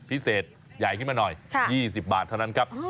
พิเศษใหญ่ขึ้นมาหน่อย๒๐บาทเท่านั้นครับ